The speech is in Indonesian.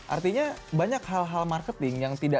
artinya banyak hal hal marketing yang cukup jelas